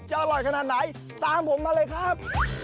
อร่อยขนาดไหนตามผมมาเลยครับ